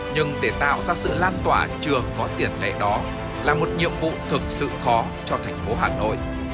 nhưng để tạo ra sự lan tỏa chưa có tiền lệ đó là một nhiệm vụ thực sự khó cho thành phố hà nội